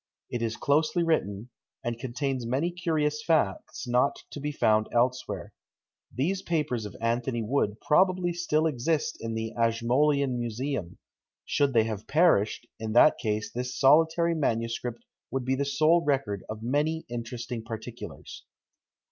It is closely written, and contains many curious facts not to be found elsewhere. These papers of Anthony Wood probably still exist in the Ashmolean Museum; should they have perished, in that case this solitary manuscript will be the sole record of many interesting particulars.